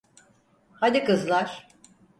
Hadi kızlar.